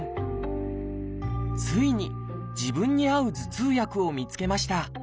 ついに自分に合う頭痛薬を見つけました。